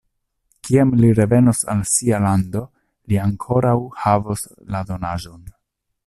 Kiam li revenos al sia lando, li ankoraŭ havos la donaĵon.